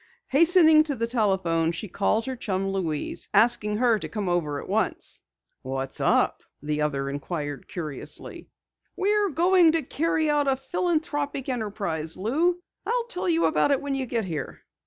Hastening to the telephone she called her chum, Louise, asking her to come over at once. "What's up?" the other inquired curiously. "We're going to carry out a philanthropic enterprise, Lou! I'll tell you about it when you get here!"